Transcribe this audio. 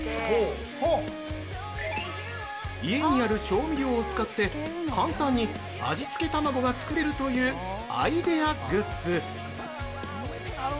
◆家にある調味料を使って簡単に味付けたまごが作れるというアイデアグッズ。